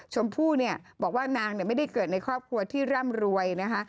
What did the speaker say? ชมพู่เนี่ยบอกว่านางไม่ได้เกิดในครอบครัวที่ร่ำรวยนะคะ